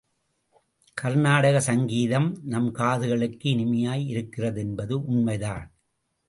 கர்நாடக சங்கீதம் நம் காதுகளுக்கு இனிமையாய் இருக்கிறது என்பது உண்மைதான்.